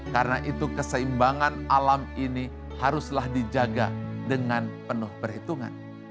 karena itu keseimbangan alam ini haruslah dijaga dengan penuh perhitungan